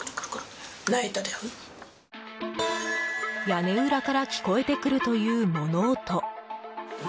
屋根裏から聞こえてくるという物音。